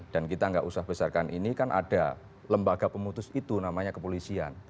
dan kita enggak usah besarkan ini kan ada lembaga pemutus itu namanya kepolisian